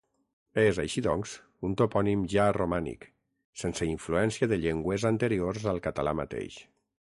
És, així doncs, un topònim ja romànic, sense influència de llengües anteriors al català mateix.